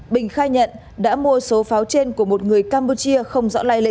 bình khai nhận đã mua số pháo trên của một người campuchia không rõ